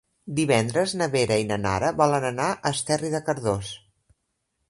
Divendres na Vera i na Nara volen anar a Esterri de Cardós.